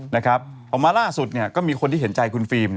เอามาล่าสุดก็มีคนที่เห็นใจคุณฟิล์ม